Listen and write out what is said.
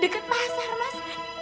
deket pasar mas